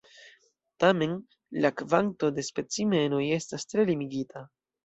Tamen, la kvanto de specimenoj estis tre limigita.